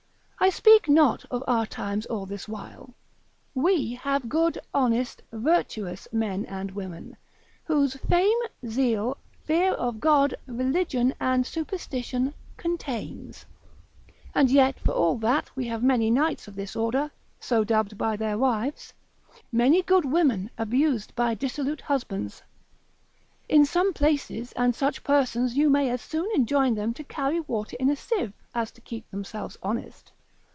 I speak not of our times all this while, we have good, honest, virtuous men and women, whom fame, zeal, fear of God, religion and superstition contains: and yet for all that, we have many knights of this order, so dubbed by their wives, many good women abused by dissolute husbands. In some places, and such persons you may as soon enjoin them to carry water in a sieve, as to keep themselves honest.